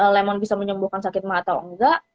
lemon bisa menyembuhkan sakit mata atau enggak